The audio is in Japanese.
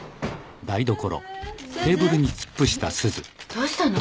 どうしたの？